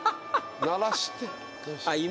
鳴らして今？